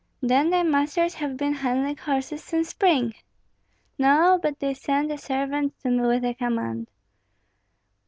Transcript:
"Then thy masters have been handling horses since spring?" "No, but they sent a servant to me with a command."